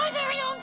ん？